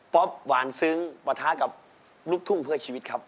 อ๊อปหวานซึ้งปะทะกับลูกทุ่งเพื่อชีวิตครับ